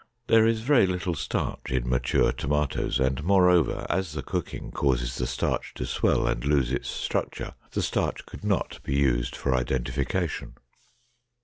There is very little starch in mature tomatoes, and moreover, as the cooking causes the starch to swell and lose its structure, the starch could not be used for identification.